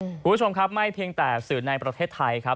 คุณผู้ชมครับไม่เพียงแต่สื่อในประเทศไทยครับ